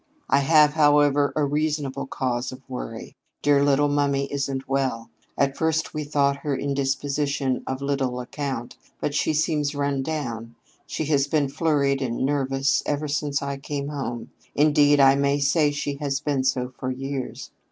"I have, however, a reasonable cause of worry. Dear little mummy isn't well. At first we thought her indisposition of little account, but she seems run down. She has been flurried and nervous ever since I came home; indeed, I may say she has been so for years.